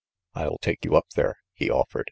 "I'll take you up there," he offered.